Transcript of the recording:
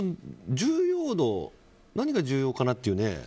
何が重要かなっていうね。